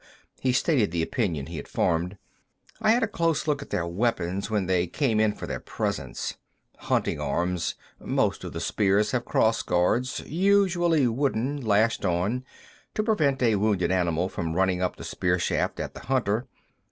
He stated the opinion he had formed. "I had a close look at their weapons when they came in for their presents. Hunting arms. Most of the spears have cross guards, usually wooden, lashed on, to prevent a wounded animal from running up the spear shaft at the hunter.